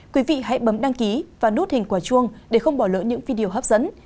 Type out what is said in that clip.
quý vị hãy bấm đăng ký và nút hình quả chuông để không bỏ lỡ những video hấp dẫn